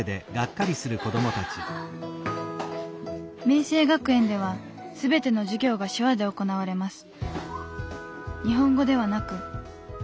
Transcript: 明晴学園では全ての授業が手話で行われます。